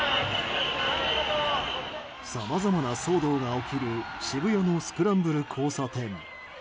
さまざまな騒動が起きる渋谷のスクランブル交差点。